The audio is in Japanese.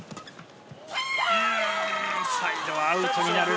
サイドはアウトになる。